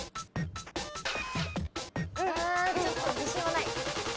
あちょっと自信はない。